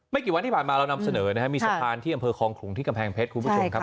กี่วันที่ผ่านมาเรานำเสนอนะครับมีสะพานที่อำเภอคลองขลุงที่กำแพงเพชรคุณผู้ชมครับ